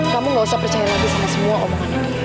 kamu gak usah percaya lagi sama semua omongan